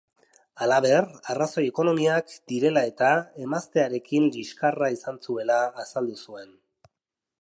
Halaber, arrazoi ekonomiak direla-eta emaztearekin liskarra izan zuela azaldu zuen.